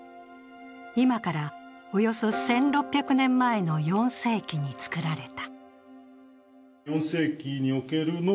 今からおよそ１６００年前の４世紀に造られた。